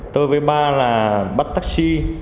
tôi với ba là bắt taxi